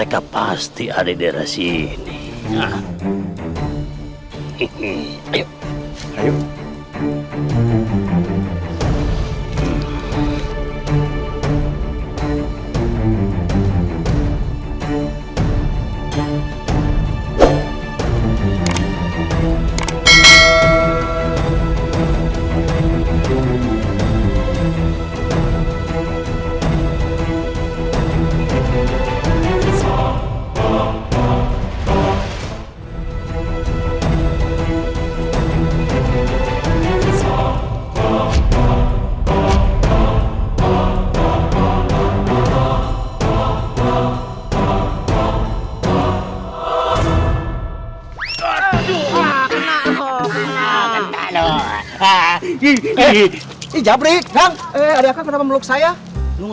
akang berhasil lolos lagi dia teh akang